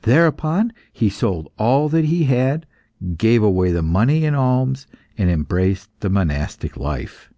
Thereupon he sold all that he had, gave away the money in alms, and embraced the monastic life.